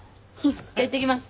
じゃあいってきます。